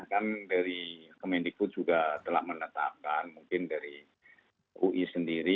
kan dari kemendikbud juga telah menetapkan mungkin dari ui sendiri